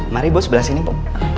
mari bu sebelah sini bu